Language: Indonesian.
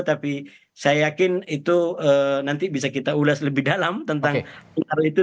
tapi saya yakin itu nanti bisa kita ulas lebih dalam tentang pengaruh itu